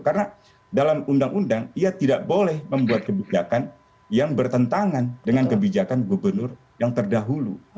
karena dalam undang undang ia tidak boleh membuat kebijakan yang bertentangan dengan kebijakan gubernur yang terdahulu